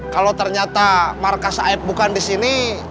kalau ternyata markas saeb bukan disini